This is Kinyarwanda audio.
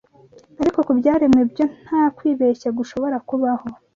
Ariko ku byaremwe byo nta kwibeshya gushobora kuhaba